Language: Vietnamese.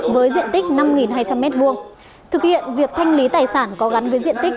với diện tích năm hai trăm linh m hai thực hiện việc thanh lý tài sản có gắn với diện tích